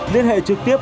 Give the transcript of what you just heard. liên hệ trực tiếp